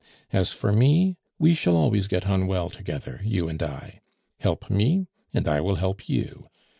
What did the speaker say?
As for me, we shall always get on well together, you and I. Help me, and I will help you.